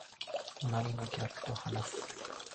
隣の客と話す